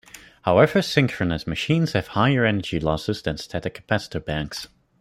However, synchronous machines have higher energy losses than static capacitor banks.